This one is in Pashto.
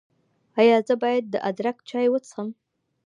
ایا زه باید د ادرک چای وڅښم؟